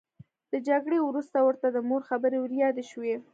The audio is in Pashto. له جګړې وروسته ورته د مور خبرې وریادې شوې